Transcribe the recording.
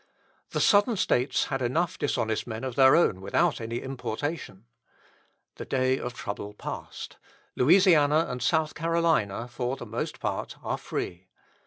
The Southern States had enough dishonest men of their own without any importation. The day of trouble passed. Louisiana and South Carolina for the most part are free.